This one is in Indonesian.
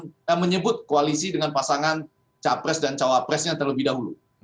siapa yang berani menyebut koalisi dengan pasangan capres dan cawapresnya terlebih dahulu